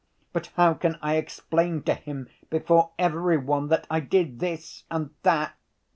But how can I explain to him before every one that I did this and that